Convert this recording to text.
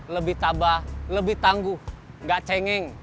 lebih tabah lebih tangguh nggak cengeng